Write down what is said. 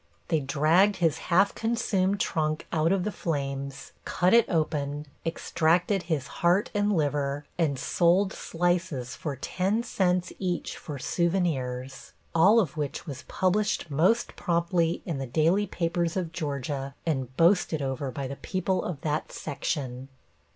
They dragged his half consumed trunk out of the flames, cut it open, extracted his heart and liver, and sold slices for ten cents each for souvenirs, all of which was published most promptly in the daily papers of Georgia and boasted over by the people of that section.